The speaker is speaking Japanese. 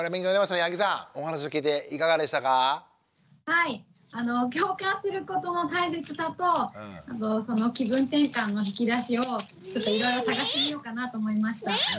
はい共感することの大切さと気分転換の引き出しをいろいろ探してみようかなと思いました。